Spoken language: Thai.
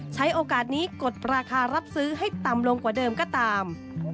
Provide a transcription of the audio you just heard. ใช้โอกาสนี้กดราคารับซื้อให้ต่ำลงกว่าเดิมก็ตาม